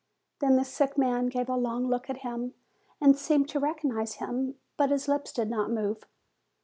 Then the sick man gave a long look at him, and seemed to recognize him; but his lips did not move.